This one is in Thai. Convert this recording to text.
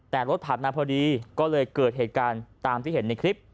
แต่รถผ่านมาพอดีก็เลยเกิดเหตุการณ์ตามที่เห็นในคลิป